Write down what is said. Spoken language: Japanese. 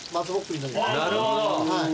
なるほど。